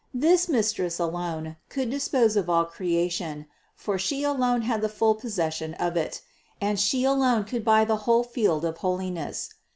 This Mistress alone could dispose of all creation, for She alone had the full possession of it, and She alone could buy the whole field of holiness.